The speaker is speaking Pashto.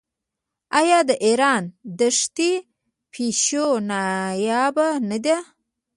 آیا د ایران دښتي پیشو نایابه نه ده؟